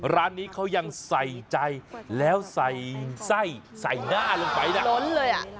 ร้านนี้เขายังใส่ใจแล้วใส่ไส้ใส่หน้าลงไปน่ะล้นเลยอ่ะ